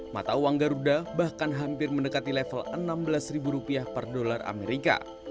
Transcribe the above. mata uang garuda bahkan hampir mendekati level enam belas per dolar amerika